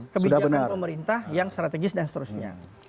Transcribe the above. kebijakan pemerintah yang strategis dan seterusnya